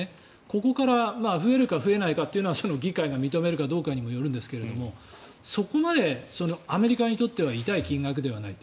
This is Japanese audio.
ここから増えるか増えないかっていうのは議会が認めるかどうかにもよるんですがそこまでアメリカにとっては痛い金額ではない。